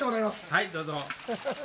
はい、どうぞ。